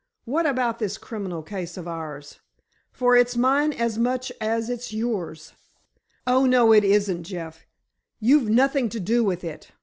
What about this criminal case of ours? For it's mine as much as it's yours." "Oh, no, it isn't, Jeff. You've nothing to do with it.